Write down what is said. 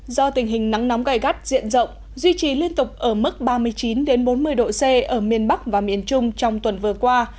do tình hình nắng nóng gai gắt diện rộng duy trì liên tục ở mức ba mươi chín bốn mươi độ c ở miền bắc và miền trung trong tuần vừa qua